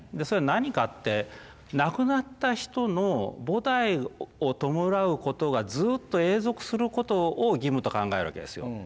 それは何かって亡くなった人の菩提を弔うことがずっと永続することを義務と考えるわけですよ。